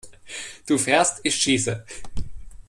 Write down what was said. Du fährst, ich schieße!